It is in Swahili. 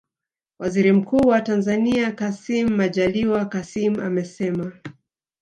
Waziri Mkuu wa Tanzania Kassim Majaliwa Kassim amesema